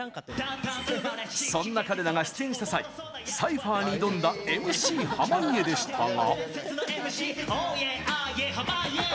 そんな彼らが出演した際サイファーに挑んだＭＣ濱家でしたが。